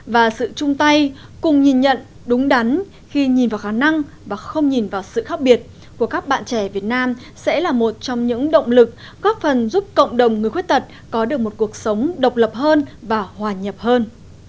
và sự chung tay cùng nhìn nhận đúng đắn khi nhìn vào khả năng và không nhìn vào sự khác biệt của các bạn trẻ việt nam sẽ là một trong những động lực góp phần giúp cộng đồng người khuyết tật có được một cuộc sống độc lập hơn và hòa nhập hơn